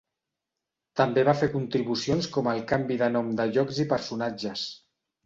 També va fer contribucions com el canvi de nom de llocs i personatges.